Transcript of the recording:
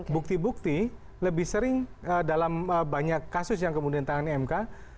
bukti bukti lebih sering dalam banyak kasus yang kemudian ditangani mk